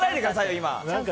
今。